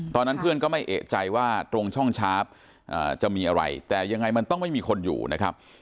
ตอนนั้นเพื่อนก็ไม่เอกใจว่าตรงช่องชาร์ฟจะมีอะไรแต่ยังไงมันต้องไม่มีคนอยู่นะครับ